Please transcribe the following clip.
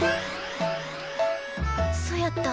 そやった。